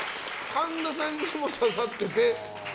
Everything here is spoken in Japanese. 神田さんにも刺さってて。